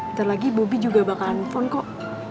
ntar lagi bobby juga bakalan nelfon kok